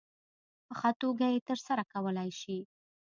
په ښه توګه یې ترسره کولای شي.